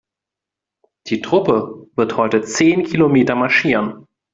Die Truppe wird heute zehn Kilometer marschieren.